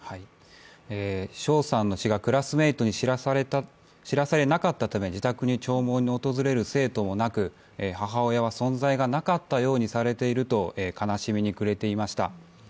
翔さんの死がクラスメイトに知らされなかったため自宅に弔問に訪れる生徒もなく母親は存在がなかったようにされていると悲しみに暮れていました。